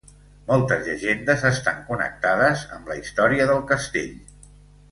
Moltes llegendes estan connectades amb la història del castell.